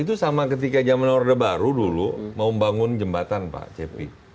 itu sama ketika zaman orde baru dulu mau membangun jembatan pak cepi